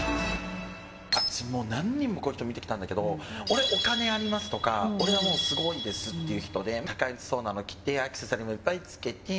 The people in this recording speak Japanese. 私何人もこういう人見てきたんだけど俺お金ありますとか俺はすごいっていう人で高そうなの着てアクセサリーもいっぱいつけて。